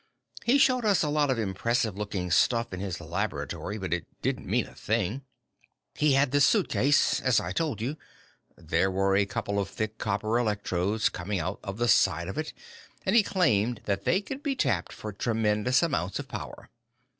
"He showed us a lot of impressive looking stuff in his laboratory, but it didn't mean a thing. He had this suitcase, as I told you. There were a couple of thick copper electrodes coming out of the side of it, and he claimed that they could be tapped for tremendous amounts of power.